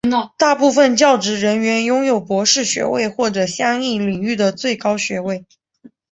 大部分教职人员拥有博士学位或者相应领域的最高学位。